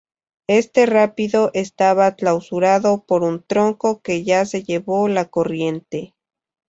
Este rápido estaba clausurado por un tronco que ya se llevó la corriente.